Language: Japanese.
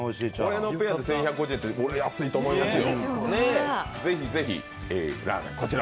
これのペアで１１５０円って安いと思いますよ。